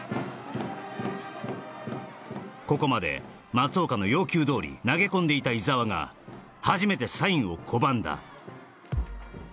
ここまで松岡の要求どおり投げ込んでいた井澤が初めてサインを拒んだ